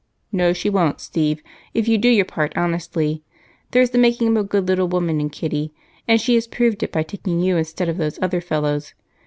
"No, she won't, Steve, if you do your part honestly. There's the making of a good little woman in Kitty, and she has proved it by taking you instead of those other fellows.